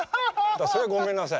それはごめんなさい。